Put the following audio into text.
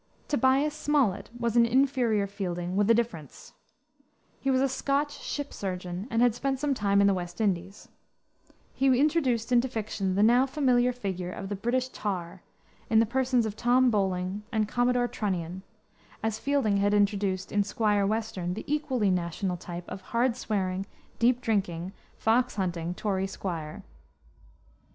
Tobias Smollett was an inferior Fielding with a difference. He was a Scotch ship surgeon and had spent some time in the West Indies. He introduced into fiction the now familiar figure of the British tar, in the persons of Tom Bowling and Commodore Trunnion, as Fielding had introduced, in Squire Western, the equally national type of the hard swearing, deep drinking, fox hunting Tory squire.